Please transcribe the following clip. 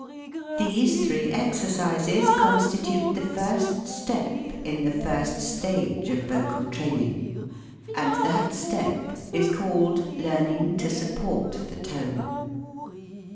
These three exercises constitute the first step in the first stage of vocal training, and 12 LEARNING TO SUPPORT THE TONE that step is called "Learning to Support the Tone."